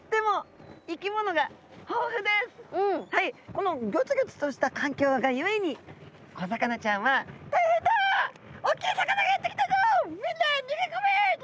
このギョツギョツとした環境がゆえに小魚ちゃんは「大変だ！おっきい魚がやって来たぞ。みんな逃げ込め！